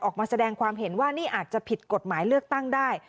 ออกมาแสดงความเห็นว่านี่อาจจะผิดกฎหมายเลือกตั้งได้